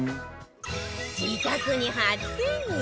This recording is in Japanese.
自宅に初潜入